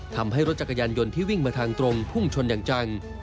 ทำให้รถจักรยานยนต์ที่วิ่งมาทางตรงพุ่งชนอย่างจัง